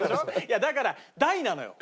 だから大なのよ。